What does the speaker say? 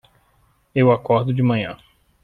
Eu acordo de manhã